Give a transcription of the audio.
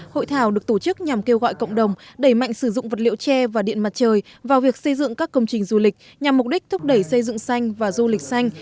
hội thảo được tổ chức nhằm kêu gọi cộng đồng đẩy mạnh sử dụng vật liệu tre và điện mặt trời vào việc xây dựng các công trình du lịch nhằm mục đích thúc đẩy xây dựng xanh và du lịch xanh